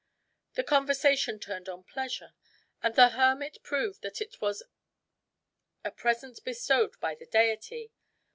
The conversation turned on pleasure; and the hermit proved that it was a present bestowed by the Deity.